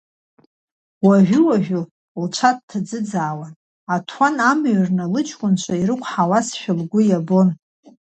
Уажәы-уажә лцәа дҭаӡыӡаауан, аҭуан амыҩрны лыҷкәынцәа ирықәҳарашәа лгәы иабон.